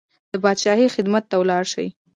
د پاچاهۍ خدمت ته ولاړ شي.